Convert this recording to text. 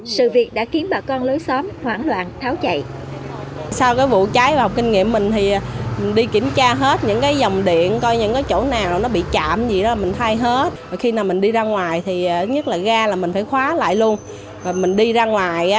sự việc đã khiến bà con lối xóm hoảng loạn